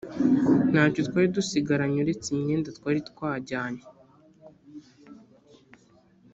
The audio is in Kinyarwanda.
ntacyo twari dusigaranye uretse imyenda twari twajyanye